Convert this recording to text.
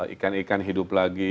ikan ikan hidup lagi